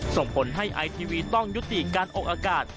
ส่งผลให้ไอทีวีต้องยุติการออกอากาศ